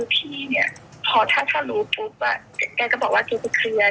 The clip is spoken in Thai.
พี่ก็จริงก็บอกว่าจริง